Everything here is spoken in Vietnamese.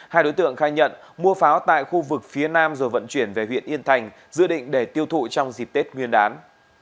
hai đối tượng khai nhận mua pháo tại khu vực phía nam rồi vận chuyển về huyện yên thành dự định để tiêu thụ trong dịp tết nguyên đán